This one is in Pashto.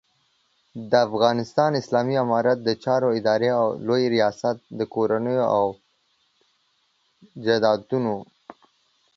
د افغانستان اسلامي امارت د چارو ادارې لوی رياست د کورونو او جایدادونو